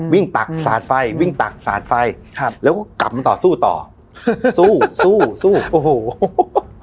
ตักสาดไฟวิ่งตักสาดไฟครับแล้วก็กลับมาต่อสู้ต่อสู้สู้สู้โอ้โห